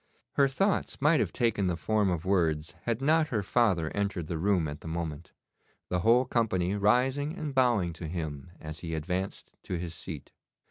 Her thoughts might have taken the form of words had not her father entered the room at the moment, the whole company rising and bowing to him as he advanced to his seat.